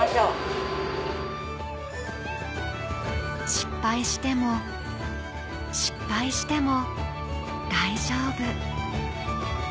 「失敗しても失敗しても大丈夫」